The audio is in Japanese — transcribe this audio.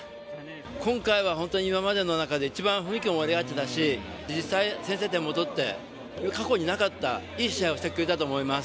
今回は本当に今までの中で一番雰囲気も盛り上がってたし実際、先制点も取って過去になかったいい試合をしてくれたと思います。